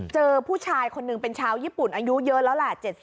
เจอผู้ชายคนหนึ่งเป็นชาวญี่ปุ่นอายุเยอะแล้วแหละ